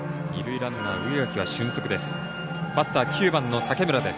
ランナー植垣は俊足です。